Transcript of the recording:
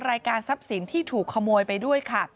รายการทรัพย์สินที่ถูกขโมยไปด้วยค่ะ